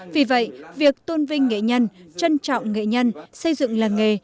vì vậy việc tôn vinh nghệ nhân trân trọng nghệ nhân xây dựng làng nghề